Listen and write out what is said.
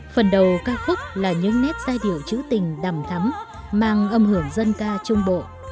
phần đầu ca khúc là những nét giai điệu chữ tình đầm thắm mang âm hưởng dân ca trung bộ